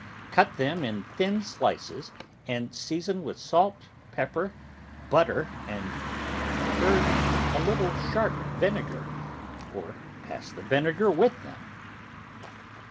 Cut them in thin slices and season with salt, pepper, butter, and, if preferred, a little sharp vinegar, or pass the vinegar with them.